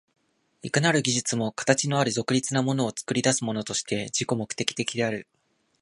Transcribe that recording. いかなる技術も形のある独立なものを作り出すものとして自己目的的である。